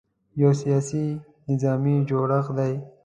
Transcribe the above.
یو سیاسي – نظامي جوړښت دی.